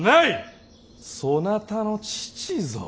そなたの父ぞ。